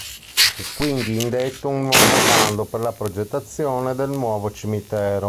Fu quindi indetto un nuovo bando per la progettazione del nuovo cimitero.